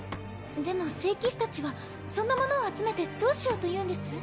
でも聖騎士たちはそんなものを集めてどうしようというんです？